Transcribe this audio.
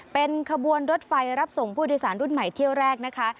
เป็นขบวนรถไฟรับส่งผู้โดยสารรุ่นใหม่เที่ยวแรกนะคะ